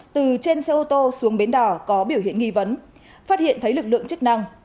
từ trên xe ô tô xuống bến đỏ có biểu hiện nghi vấn phát hiện thấy lực lượng chức năng